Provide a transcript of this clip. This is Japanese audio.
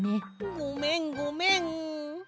ごめんごめん！